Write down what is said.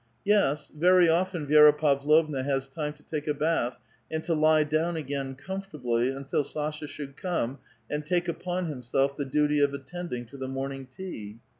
Yes, very often Vi^ra Pavlovna has time to take a bath and to lie down again comfortably until Sasha should come and take upon himself the duty of attending to the morning tea.